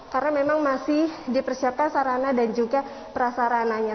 karena memang masih dipersiapkan sarana dan juga prasarananya